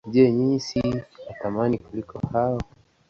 Je, ninyi si wa thamani kuliko hao?